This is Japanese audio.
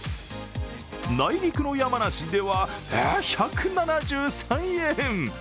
内陸の山梨では、１７３円。